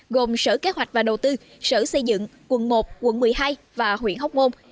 gồm sở kế hoạch và đầu tư sở xây dựng quận một quận một mươi hai và huyện hóc môn